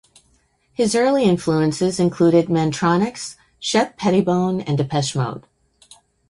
His early influences included Mantronix, Shep Pettibone, and Depeche Mode.